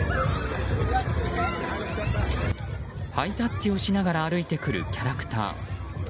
ハイタッチをしながら歩いてくるキャラクター。